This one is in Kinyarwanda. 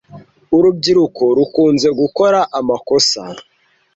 Urubyiruko rukunze gukora amakosa.